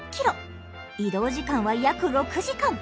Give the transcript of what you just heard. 移動時間は約６時間。